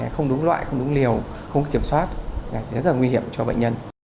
không đúng loại không đúng liều không kiểm soát là rất là nguy hiểm cho bệnh nhân